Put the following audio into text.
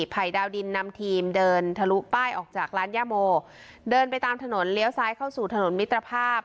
ภัยดาวดินนำทีมเดินทะลุป้ายออกจากร้านย่าโมเดินไปตามถนนเลี้ยวซ้ายเข้าสู่ถนนมิตรภาพ